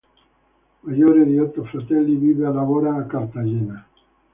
Maggiore di otto fratelli, vive e lavora a Cartagena.